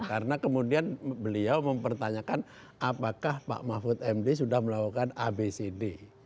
karena kemudian beliau mempertanyakan apakah pak mahfud md sudah melakukan abcd